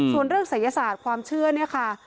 ส่วนเรื่องศัยศาสตร์ความเชื่อเนี่ยค่ะ